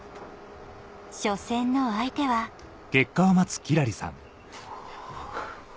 初戦の相手はおぉ！